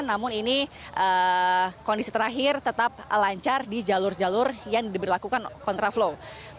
namun ini kondisi terakhir tetap lancar di jalur jalur yang diberlakukan kontraflow